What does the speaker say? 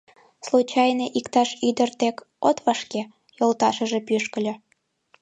Случайне иктаж ӱдыр дек от вашке? — йолташыже пӱшкыльӧ.